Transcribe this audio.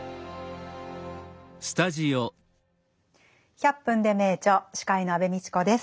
「１００分ｄｅ名著」司会の安部みちこです。